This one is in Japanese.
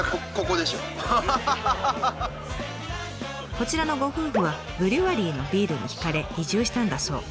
こちらのご夫婦はブリュワリーのビールに惹かれ移住したんだそう。